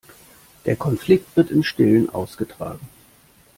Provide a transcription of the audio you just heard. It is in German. Der Konflikt wird im Stillen ausgetragen.